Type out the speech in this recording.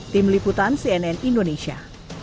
tim liputan cnn indonesia